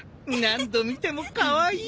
何度見てもかわいい。